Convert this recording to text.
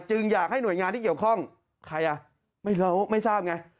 อยากให้หน่วยงานที่เกี่ยวข้องใครอ่ะไม่รู้ไม่ทราบไง